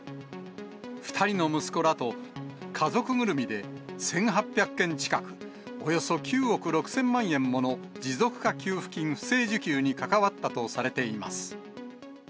２人の息子らと家族ぐるみで１８００件近く、およそ９億６０００万円もの持続化給付金不正受給に関わったとされています。